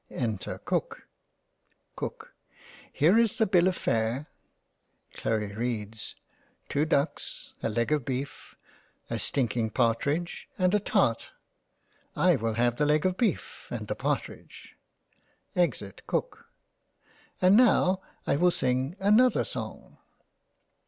Enter Cook — Cook) Here is the bill of fare. Chloe reads) 2 Ducks, a leg of beef, a stinking partridge, and a tart. — I will have the leg of beef and the partridge. exit Cook. And now I will sing another song.